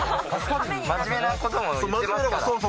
真面目なことも言ってますから。